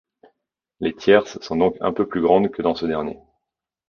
Les tierces sont donc un peu plus grandes que dans ce dernier.